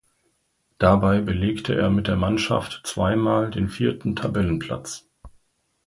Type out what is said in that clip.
Dabei belegte er mit der Mannschaft zweimal den vierten Tabellenplatz.